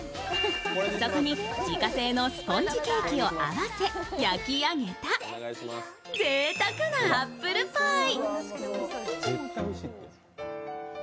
そこに自家製のスポンジケーキを合わせ焼き上げたぜいたくなアップルパイ。